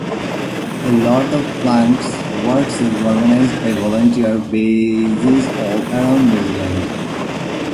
A lot of Plunket's work is organised by volunteer bases all around New Zealand.